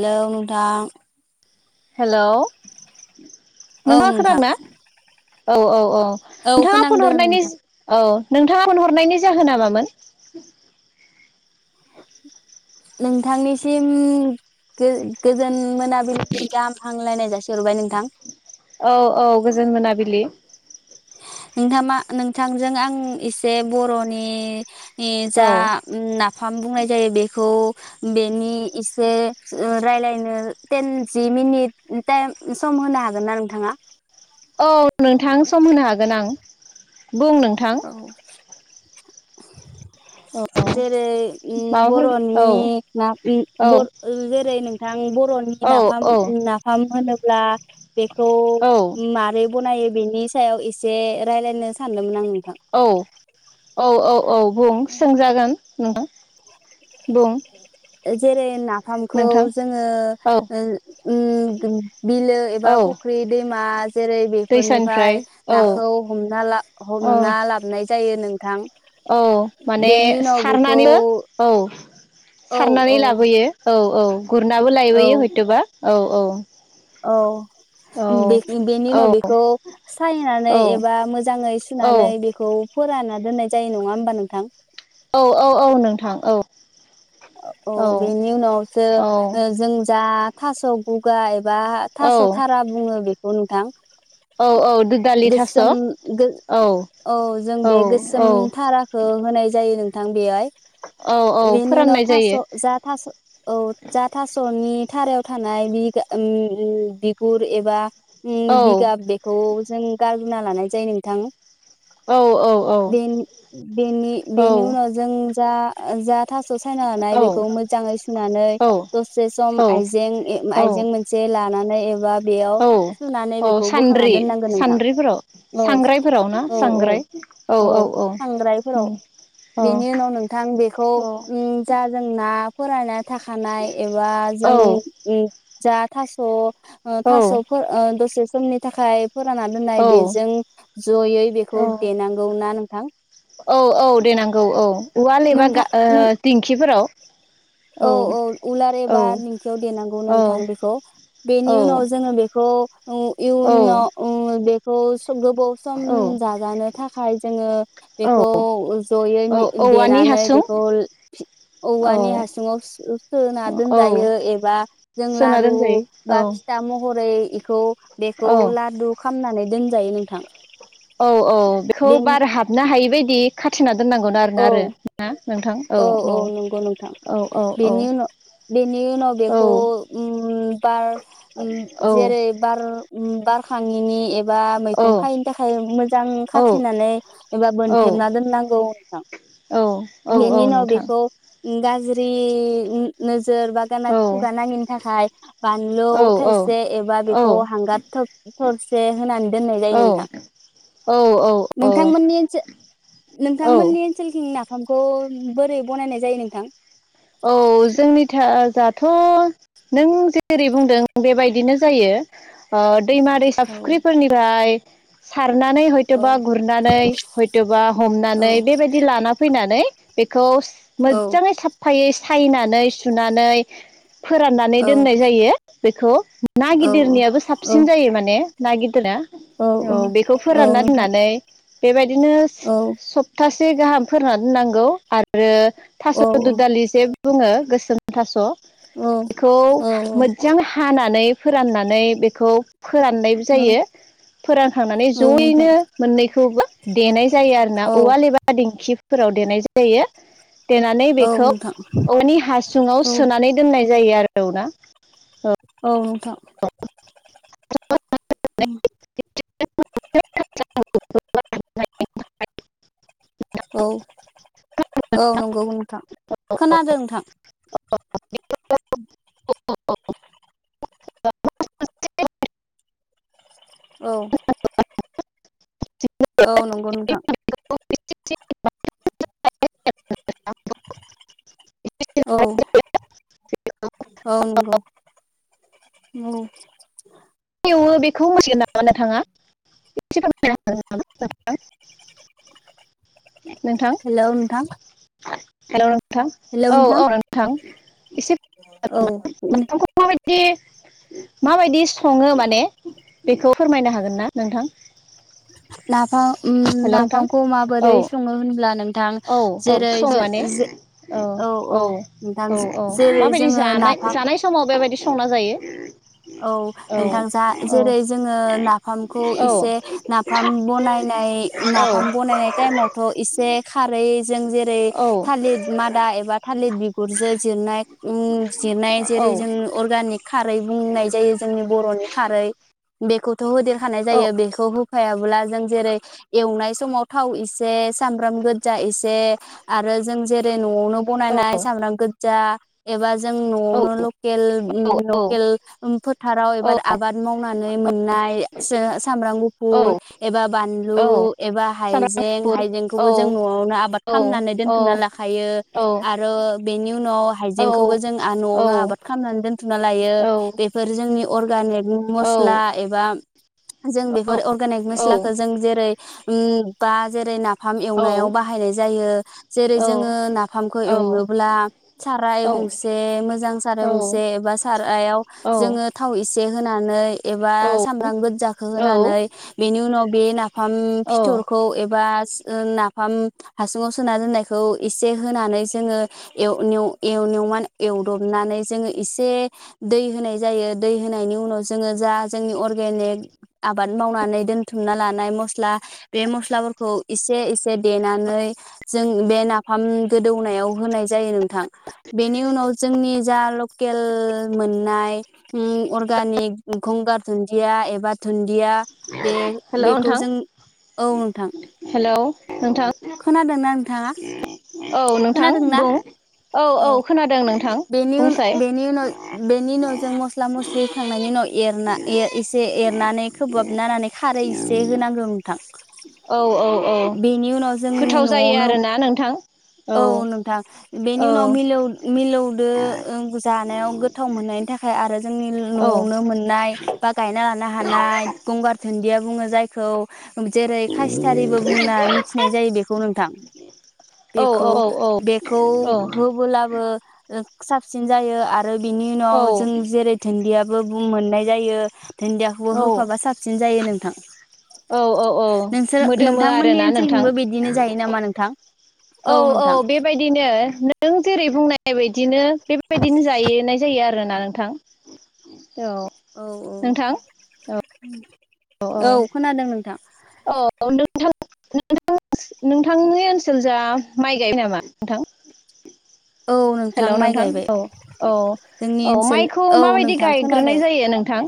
लों थां हेलौ औ नोंङा नोंथां खोनादों ना? औ औ औ। नोंथाङा फन खोनांदों हरनायनि नोंथां ज औ। नोंथाङा फन हरनायनि जाहोना मामोन? नोंथांनिसिम गो-गोजोन मोनाबिलिनि गाहाम हामलायनाय जासिहरबाय नोंथां। औ औ गोजोन मोनाबिलि। नोंथांमा नोंथांजों आं एसे बरनि नि औ जा ओम ना नाफाम बुंनाय जायो बेखौ बेनि एसे रायलायनो टेन जि मिनिट टाइम सम होनो हागोन ना नोंथाङा? औ नोंथां सम होनो हागोन आं बुं नोंथां। औ औ [inaudible] जेरै उम माबाफोर औ बर'नि ना उम औ बर' जेरै नोंथां बर'नि औ नाफाम औ नाफाम होनोब्ला बेखौ औ मारै बनायो। बेनि सायाव एसे रायलायनो सानदोंमोन आङो औ औ औ औ बुं सोंजागोन नोंथां बुं जेरै ना फामखौ नोंथां जोङो औ ओ ओम बिलो एबा औ फख्रि दै मास जेरै दैसानिफ्राय बेफोरनिफ्राय औ नाखौ हमना ला औ हमना लाबाय जायो नों। थां औ माने सारनानैबो औ। औ सारनानै औ लाबोयो औ औ गुरनाबो औ लायबोयो हयथबा। औ औ औ। औ बेनि बेनि औ उनाव बेखौ सायनानै एबा मोजाङै सुनानै बेखौ फोराना दोननाय जायो नङा होमबा नोंथां? औ औ औ नोंथां औ। औ ओम बेनि उनावसो औ जों जा। थास गुगाय। बा औ थास' थारा बुङो बे उम थां औ औ दुदालि थास' गोसोम गोस औ औ जों औ बे औ गोसोम थाराखौ होनाय जायो नोंथां बेहाय। औ औ फोराननाय थास जायो जा थास औ जा थास आंनि थारायाव थानाय बि ओ उम उम बिगुर एबा। औ उम बिगाब बेखौ जों गारग्रोना लानाय जायो नोंथां। औ औ ब बेनि बेनि उनाव जों जा जा थास [unintelligible] बेखौ मोजाङै सुनानै दसे सम औ आइजें आइजें मोनसे लानानै एबा। बेयाव औ सुनानै औ बेखौ बोखांना सानद्रि दोननांगोन नोंथां सानद्रिफोराव औ सांग्रायफोराव ना औ औ साग्राय औ औ औ औ उम बेनि उनाव नोंथां बेखौ औ [unintelligible] जा जोंना [unintelligible] थाखानाय एबा औ जों ओं जा थास ओ थासफोर ओ दसे समनि थाखाय। फोरानना दोननाय औ बेजों जयै बेखौ औ देनांगौ ना थां औ औ देनांगौ औ उवाल एबा नोंथां नों दिंखिफोराव औ औ उलार औ एबा दिंखियाव देनांगौ नोंथां औ बेखौ औ बेनि उनाव जोङो बेखौ ओं औ इयुनाव ओं बे [unintelligible] गोबाव सम औ जाजानो थाखाय जोङो औ बेखौ जयै औ औवानि देनानै हासुं बेखौ औवानि औ हासुं सिङाव सो-सोना औ दोनजायो एबा जों सोना लारु दोनजायो औ बा फिथा महरै खौ बेखौ औ लादु खालामनानै दोनजायो नोंथां। औ औ बेखौ बे बार हाबनो हायि बादि। खाथेना दोननांगौनो आरोना औ आरो ना नोंथां औ औ नंगौ नोंथां औ औ बेनि उनाव बेनि उनाव बेखौ औ बार औ जेरै बार उम बारखाङिनि बा औ मैखुन खायैनो थाखाय मोजां खाथेनानै एबा बोनथेबना दोननांगौ। औ औ औ नोंथां गाज्रिनो सोर बागाना औ खुगा नाङिनि थाखाय बानलु औ थाइसे एबा औ बेखौ हांगार थोब थरसे होनानै दोननाय जायो नोंथां औ नोंथांमोननि थिं नोंथां नोंथां औ मोननि ओनोलथिं नाख नाफामखौ बोरै बनायनाय जायो नोंथां? औ जोंनि दाथ जाथ नों जेरै बुंदों बेबायदिनो जायो ओ दैमा दैसा औ फ्रुख्रिफोरनि भाय साद गुरनानै औ हयथबा गुरनानै हयथबा औ हमनानै बेबायदि लाना फैनानै नै बेखौस औ मोजांयै साफ साफायै सायनानै सुनानै फोराननानै औ दोननाय जायो। बेखो ना औ गिदिरनियाबो औ साबसिन जायो माने नागिदोना औ बेखौ औ फोरानना नोंथां दोननानै बेबायदिनो औ सप्तासे गाहाम फोरनानै नांगौ आरो औ औ। बिसेे बुङो गोसोम थास औ बेखौ औ मोजां हानानै फोराननानै बेखौ फोराननायबो नोंथां जायो फोरानखांनानै जयैनो मोननैखौबो देनाय जायो आरोना औ औवाल एबा दिंखि फोराव देनाय जायो देना औ खौ नोंथां औवानि हासुङाव औ सोनानै दोननाय जायो आरो औ ना औ। [unintelligible] औ। औ नंगौग नोंथां खोनादों नोंथां। [unintelligible] [inaudible] [unintelligible] औ औ नंगौ नोंथां। [unintelligible] औ औ नंगौ ओम। एवो बेखौ मिथिगोन नामा नोंथाङा एसेफोरमाय हागोन नामा? हेल नोंथां। हेल नों नोंथां औ औ नोंथां एसे औ नोंथांखौ [unintelligible] माबायदि [inaudible] माबायदि स सङो माने, बेखौ फोरमायनो हागोन ना नोंथां? नाफ ओम हेल' नोंथां नाफामखौ औ माबोरै सङो होनब्ला नों औ औ सं- माने औ औ नोंथां औ औ जेरै माबायदि जोङो जानाय नाफाम जानाय समाव बेबायाददि संना औ जायो। औ नोंथां जा जेरै जोङो नाफामखौ औ औ। एसे नाफाम बनायनाय औ नाफाम बनायनाय टाइमावथ एसे खारै जों जेरै थालिद मादा एबा थालिद बिगुरजो जिरनाय उम जिरनाय औ जेरै जों अर्गानिक खारै बुंनाय जायो जोंनि बर'नि खारै बेखौथ' होदेरखानाय जायो बेखौ हो होफायाब्ला जों जेरै एवनाय समाव थाव इसे सामब्राम गोज्जा एसे आरो जों जेरै न'आवनो औ बनायनाय सामब्राम गोज्जा एबा जों नआवनो ल केल ओ औ लकेल फो फोथाराव एबार आबाद मावनानै मोननाय जो- सामब्राम गुफुर औ फुर एबा बानलु औ एबा सामब्राम हाइजें गुफुर औ हाइजेंखौबो जों नआवनो आबाद औ खालामनानै औ दोनथुमनानै लाखायो औ आरो बेनि उनाव औ हाइजेंखौबो जों आ औ न'आवनो आबाद खालामनानै दोन थुना लायो बेफोर जोंनि अरगानिक मस्ला एबा जों बे फोर अर्गानिक मोस्लाखो जों जेरै उम बा जेरै ना फाम एवनायाव बाहायनाय जायो। जेरै जोङो नाफामखौ औ एवनोब्ला साराय औ गंसे मोजां औ साराइ गंसे एबा सारायाव औ जोङो थावसे होनानै एबा औ सामब्राम गोज्जाखो औ होना नै बेनि उनाव बे ना फाम औ फिथरखौ एबा ओ नाफाम हासुङाव सोना दोननायखौ एसे होनानै जोङो एव नेव एव नेव नेवमान एवदबनानै जोङो एसे दै होनाय जायो दै होनायनि उनाव जोङो जा जोंनि अर्गानिक आबाद मावनानै दोनथुमना लानाय मस्ला बे मस्लाफोरखौ एसे एसे देनानै जों बे नाफाम गोदौनायाव होनाय जायो नों थां बेनि उनाव जोंनि जा ल केल मोननाय ओम अर्गानिक गंगार दुन्दिया एबा दुन दिया बे हेल' बेखौ नोंथां जों औ नोंथां हेलौ नोंथां खोनादोंना नोंथाङा औ नोंथां खोनादोंना बुं औ खोनादों नोंथां बेनि उन बुंसाय बेनि उनाव बेनिनो जों मस्ला मस्लि होखांनायनि उनाव एरना ए एसे एरनानै खोबाब नानानै खारै एसे होनांगौ नोंथां। औ औ औ बेनि उनाव जोंनि गोथाव जायो न'आवनो आरोना नोंथां? औ नोंथां औ बेनि उनाव मिलौ मिलौदो ओ जानायाव गोथाव मोननायनि थाखाय आरो जोंनि औ नआवनो मोननाय बा गायना ना हानाय गंगार दुनदिया बुङो जायखौ जेरै खासिथारिबो बुंना मिथिनाय जायो बेखौ नोंथां। औ औ औ बेखौ-बेखौ होबोलाबो ओ साबसिन जायो आर रो बिनि औ उनाव जों जेरै दुनदिया बो बुं मोननाय जायो दुनदियाखौबो औ होफाबा साबसिन जायो नोंथां। औ औ नोंसोर मोदोमो नोंथांमोननि आरोना नोंथां ओनसोलथिंबो बिदिनो जायो नामा नोंथां औ औ बेबायदिनो नों जेरै बुंनाय नाय बायदिनो बेबायदिनो जायोनाय जायो आरोना नोंथां। औ औ नोंथां औ औ औ खोनादों नोंथां। औ नों थां [unintelligible] नोंथांनि ओनसोलजा माइ गायबाय नामा नोंथां औ हेलौ माइ नोंथां गायबाय औ औ जोंनि औ ओनसोल माइखौ औ माबायदि नोंथां खोनादों गायग्रोनाय जायो नोंथां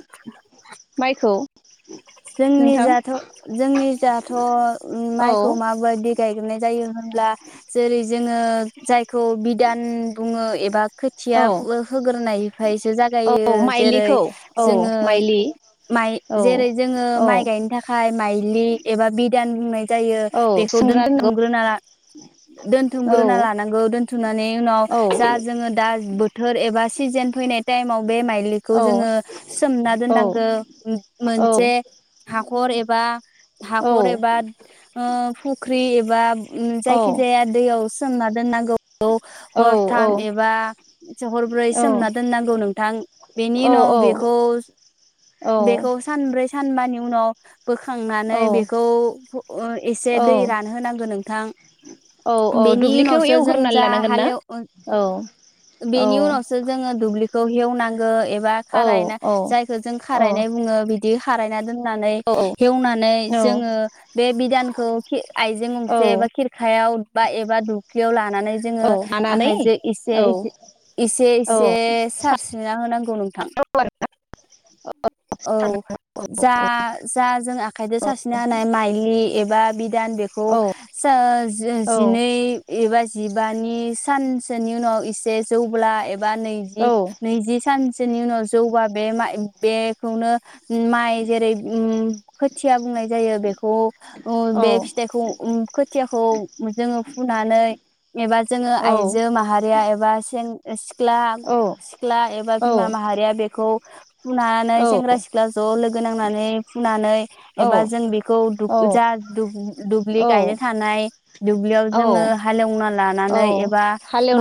माइखौ? नोंथां जोंनिजाथ' जोंनिजाथ' औ माइखौ माबायदि गायग्रोनाय जायो हो ब्ला जेरै जोङो ओ जाय खौ बिदान बुङो एबा खोथिया औ फुहोगोरनायफायसो जागायो औ जेरै माइलिखौ औ जोङो माइलि माइ औ जेरै जोङो औ माइ गायनो थाखाय माइलि एबा बि दान बुंनाय जायो औ बेखौ सोमग्रा दोनथुमग्रोना दोननांगौ दोनथुमग्रोना लानांगौ दोनथुमनानै उनाव औ जा जोङो दा बोथोर एबा सिजोन फैनाय टाइमाव बे माइलिखौ औ जोङो सोमना औ दोननांगौ। औ [unintelligible] जे हा खर एबा औ हाखर एबा ओ फुख्रि एबा औ जायखि जाया दैयावस सोमना दोननांगौ गौ औ हरथाम एबा हरब्रै सोमना दोननांगौ नोंथां। बेनि औ उनाव बेखौ बेखौ सानब्रै सानबानि उनाव बोखांनानै औ बेखौ ओ एसे औ दै रानहोनांगौ नोंथां। औ औ बेनि दुब्लिखौ उनावसो जों एवग्रोनानै जा लानांगोन ना हालेव ओ औ औ बेनि उनावसो जोङो दुब्लि खौ हेवनांगो एब बा खारायना जायखौ जों खारायनाय बुङो। खारायना दोन नानै औ हेवनानै औ जोङो बे बिधानखौ खि आइजें औ गंसे एबा खिरखायाव बा एबा दुख्लियाव लाना नानै औ जोंङो लानानै आखायजों इसे औ इसे इसे औ इसे औ सारस्रिना होनांगौ। [unintelligible] थां औ औ जा जा जों आखाइदो सारस्रिना होनाय माइलि एब बा बिद गियान बेखौ औ सो जो औ जिनै एबा जि जिबानि सानसोनि उनाव एसे जौब्ला एब बा नैजि नैजि सान बिनि उनाव जौबा बे मा बेखौनो माइ जेरै उम खोथिया बुंनाय जायो बेखौ अ बे फिथाइखौ ओम खो थियाखौ जोङो फुनानै एबा जोङो आइजो माहारिया एब बा सें सिख ख्ला सिख्ला एबा बिमा औ माहारिया बेखौ औ औ फुनानै सेंग्रा सि ख्ला ज लोगो नांनानै फुनानै एबा औ जों बेखौ दुब जा दुब्लि गायनो थानाय दुब्लियाव जोङो हालेवना ला लानै एबा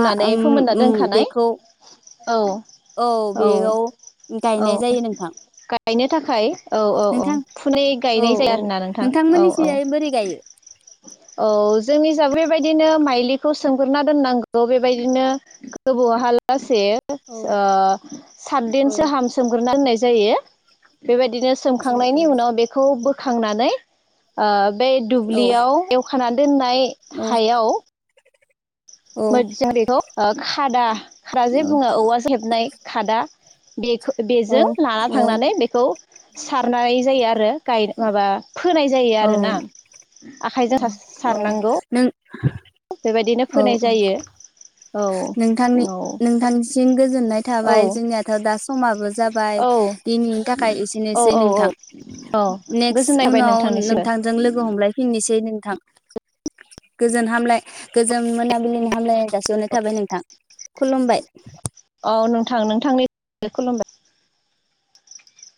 मा औम फोमोनना उम दोनखानाय बेखौ औ औ औ गायनाय जायो नोंथां गायनो थाखाय औ औ औ नोंथां फुनै औ गायनाय जाया औ आरोना नोंथां औ औ नोंथांमोननिसिजाय बोरै गायो औ जोंनि जा बेबायदिनो मा फाइलिखौ सोमगोरना दोननां गौ बेबायदिनो गोबौहाला से ओ औ औ सातदिनसो हाम सोमग्रोना दोननाय जायो बेबायदिनो औ सोमखांनायनि उनाव बेखौ बो खांनानै ओ बे औ दुब्लियाव एवखा खाना दोनना हाय हायाव औ मोदजां बेखौ ओ खा। खादा ख्रा जे औ बुङो औवा जो हेबनाय खादा बेखो औ बेजों लाना थांनानै बेखौ सारनाय जायो। आरो गायनो माबा फोनाय जायो औ आरोना आ। औ आखाइजों सास औ सारनांगौ [inaudible] बेबायदिनो औ फोनाय औ जायो औ नोंथांनि औ नोंथांनिसिम गोजोननाय थाबाय जोंनियाथ दा समाबो जाबाय दिनैनि थाखाय औ एसेनोसै औ नोंथां औ नेक्स गोजोननाय थाबाय उनाव नोंथांनिसिमबो नोंथांजों लोगो हमलायफिननोसै नों थां गोजोन हामलाय। गोजोन मोनाबिलिनि हामलायनाय जासिहरनाय थाबाय नोंथां खुलुमबाय। औ नोंथां नोंथांनि खुलुमबाय।